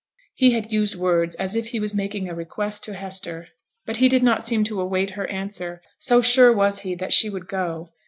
He had used words as if he was making a request to Hester; but he did not seem to await her answer, so sure was he that she would go.